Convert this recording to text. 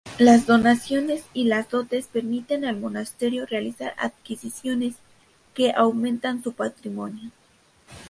Las donaciones y las dotes permiten al monasterio realizar adquisiciones que aumentan su patrimonio.